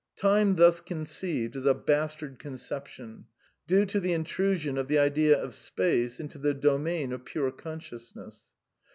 Time thus conceived is a bastard conception, due to the ^ intrusion of the idea of space into the domain of pure con sciousness.